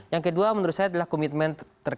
yang kedua menurut saya adalah komitmen terkait